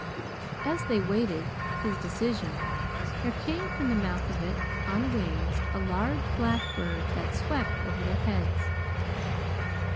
As they waited his decision, there came from the mouth of it on wings a large black bird that swept over their heads.